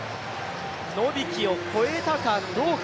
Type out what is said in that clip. ノビキを超えたかどうか。